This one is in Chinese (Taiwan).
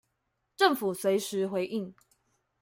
政府隨時回應